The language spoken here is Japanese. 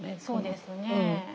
そうですね。